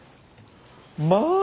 まあ！